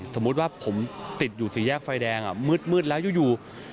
สมมุติว่าผมติดอยู่สี่แยกไฟแดงมืดแล้วอยู่